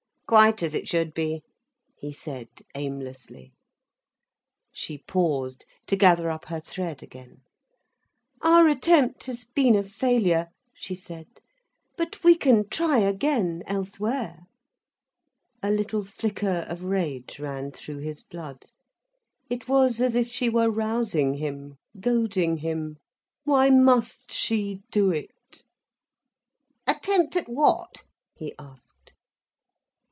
"Quite as it should be," he said aimlessly. She paused to gather up her thread again. "Our attempt has been a failure," she said. "But we can try again, elsewhere." A little flicker of rage ran through his blood. It was as if she were rousing him, goading him. Why must she do it? "Attempt at what?" he asked.